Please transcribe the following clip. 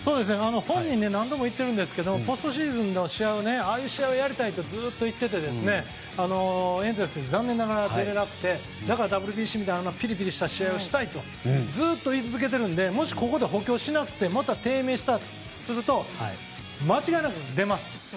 本人が何度も言ってるんですけどポストシーズンのああいう試合をやりたいとずっと言っていてエンゼルス残念ながら出れなくてだから、ＷＢＣみたいなピリピリした試合をしたいとずっと言い続けているのでもし補強しなくてまた低迷したりすると間違いなく出ます